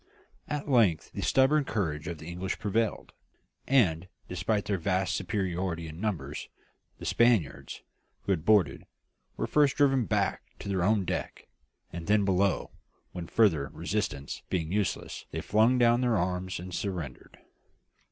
At length the stubborn courage of the English prevailed, and, despite their vast superiority in numbers, the Spaniards, who had boarded, were first driven back to their own deck and then below, when, further resistance being useless, they flung down their arms and surrendered.